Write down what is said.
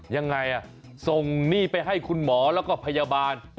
ยังไงส่งหนี้ไปให้คุณหมอแล้วก็พยาบาล